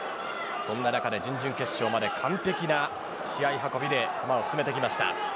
そんな中で準々決勝まで完璧な試合運びで駒を進めてきました。